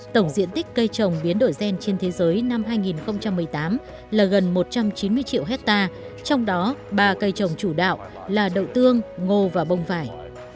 tổng diện tích cây trồng biến đổi gen trên thế giới năm hai nghìn một mươi tám là gần một trăm chín mươi triệu hectare trong đó ba cây trồng chủ đạo là đậu tương ngô và bông vải